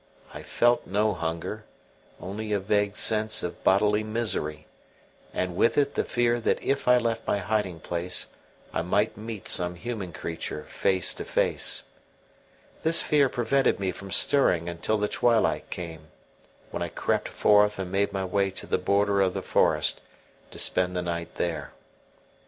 I felt no hunger, only a vague sense of bodily misery, and with it the fear that if I left my hiding place I might meet some human creature face to face. This fear prevented me from stirring until the twilight came, when I crept forth and made my way to the border of the forest, to spend the night there.